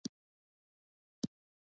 د بهير له خلکو سره شخړه.